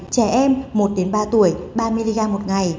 trẻ em một ba tuổi ba mg một ngày